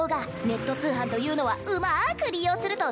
ネット通販というのはうまく利用すると